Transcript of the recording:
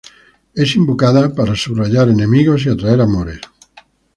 Es invocada para subyugar enemigos y atraer amores.